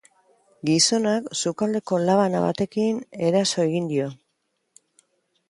Gizonak sukaldeko labana batekin eraso egin dio.